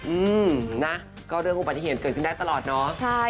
อืมนะก็เรื่องผู้ปฏิเสธเกิดขึ้นได้ตลอดเนาะ